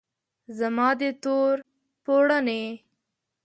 زما د تور پوړنې